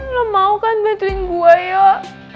lo mau kan bettering gue yuk